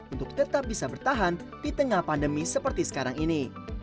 untuk tetap bisa bertahan di tengah pandemi seperti sekarang ini